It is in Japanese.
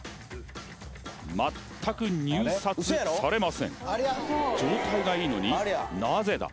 全く入札されません状態がいいのになぜだ？